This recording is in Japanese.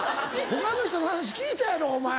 他の人の話聞いたやろお前。